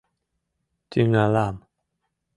— Тӱҥалам!